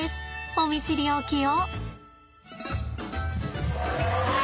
お見知りおきを。